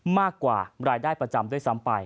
มากกว่ารายได้ประจำด้วยซ้ำไป